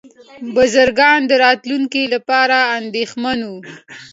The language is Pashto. بزګران د راتلونکي لپاره اندېښمن وو.